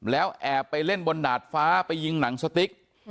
แล้วแอบไปเล่นบนดาดฟ้าไปยิงหนังสติ๊ก